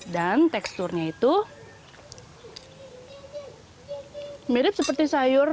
dan teksturnya itu mirip seperti sayur